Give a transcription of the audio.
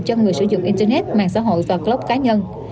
cho người sử dụng internet mạng xã hội và cloud cá nhân